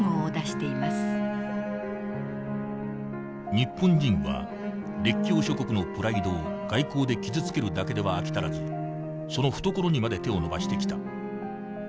「日本人は列強諸国のプライドを外交で傷つけるだけでは飽き足らずその懐にまで手を伸ばしてきた。